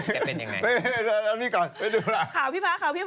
แกเป็นยังไง